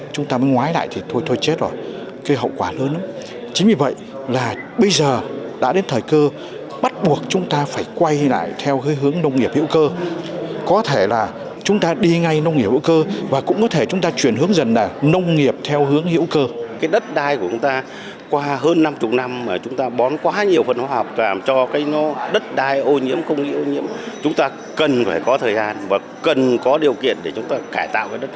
chúng ta cần phải có thời gian và cần có điều kiện để chúng ta cải tạo cái đất này